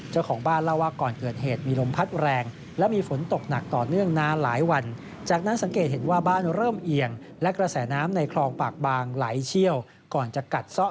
จนเกิดพังถล่มลงมาในที่สุด